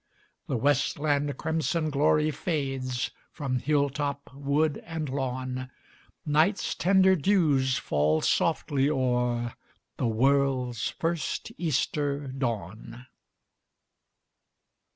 The westland crimson glory fades From hilltop, wood, and lawn, Night's tender dews fall softly o'er The world's First Easter Dawn.